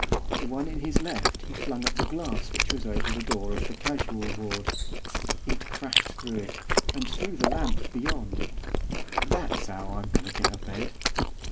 The one in his left he flung at the glass which was over the door of the casual ward. It crashed through it, and through the lamp beyond. 'That's 'ow I'm goin' to get a bed.